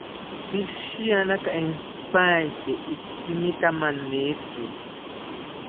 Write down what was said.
Psihiyanaka entzipaete ikimita manitzi